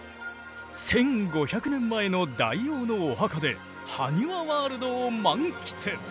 １，５００年前の大王のお墓でハニワワールドを満喫。